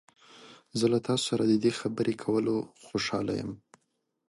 زه له تاسو سره د دې خبرې کولو خوشحاله یم.